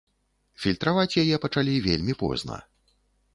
Фільтраваць яе пачалі вельмі позна.